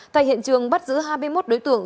tại hiện trường bắt giữ hai mươi một đối tượng